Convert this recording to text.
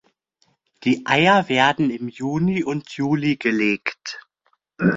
Die Eier werden im Juni und Juli gelegt.